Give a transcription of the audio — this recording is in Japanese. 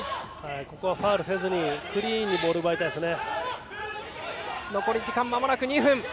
ここはファウルせずにクリーンにボールを奪いたいですね。